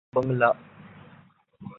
بنگلہ